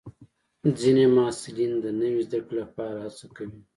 ځینې محصلین د نوي زده کړې لپاره هڅه کوي.